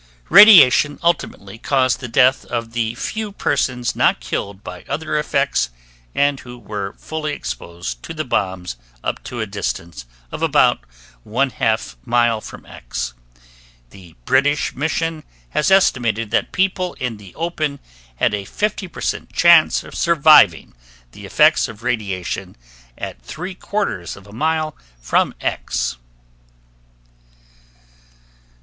Radiation ultimately caused the death of the few persons not killed by other effects and who were fully exposed to the bombs up to a distance of about 1/2 mile from X. The British Mission has estimated that people in the open had a 50% chance of surviving the effects of radiation at 3/4 of a mile from X.